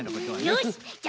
よしじゃ